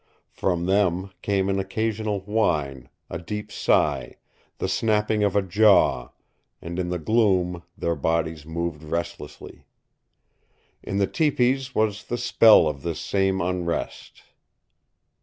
From them came an occasional whine, a deep sigh, the snapping of a jaw, and in the gloom their bodies moved restlessly. In the tepees was the spell of this same unrest.